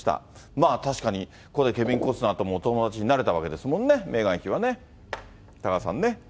まあ確かに、これでケビン・コスナーともお友達になれたわけですもんね、メーガン妃はね、多賀さんね。